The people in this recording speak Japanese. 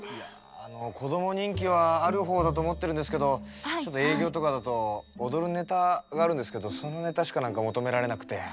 こども人気はある方だと思ってるんですけどちょっと営業とかだと踊るネタがあるんですけどそのネタしか何か求められなくて。